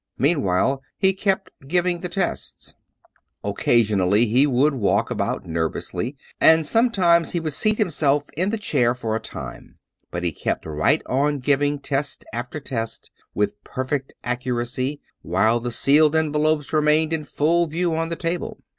Meanwhile he kept giving the tests. Occasionally he would walk about nervously, and 265 True Stories of Modern Magic sometimes he would seat himself in the chair for a time ; but he kept right on giving test after test, with perfect ac curacy, while the sealed envelopes remained in full view on the table.